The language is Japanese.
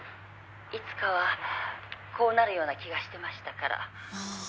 「いつかはこうなるような気がしてましたから」